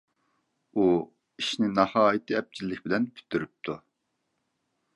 ئۇ ئىشنى ناھايىتى ئەپچىللىك بىلەن پۈتتۈرۈپتۇ.